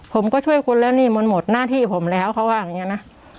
ผมก็ช่วยคุณแล้วนี่มันหมดหน้าที่ผมแล้วเขาว่าอย่างนี้นะ